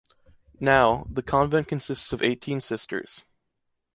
Now, the convent consists of eighteen sisters.